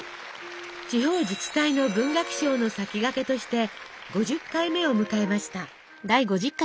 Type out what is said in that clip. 地方自治体の文学賞の先駆けとして５０回目を迎えました。